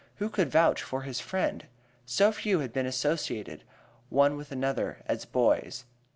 Who could vouch for his friend? Some few had been associated, one with another, as boys.